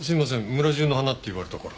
村中の花って言われたから。